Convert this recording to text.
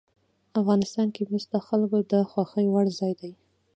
افغانستان کې مس د خلکو د خوښې وړ ځای دی.